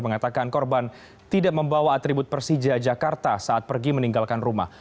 mengatakan korban tidak membawa atribut persija jakarta saat pergi meninggalkan rumah